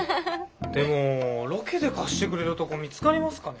でもロケで貸してくれるとこ見つかりますかね？